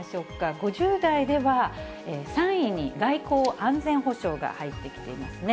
５０代では、３位に外交・安全保障が入ってきていますね。